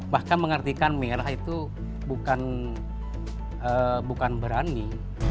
bahkan mengertikan merah itu bukan berani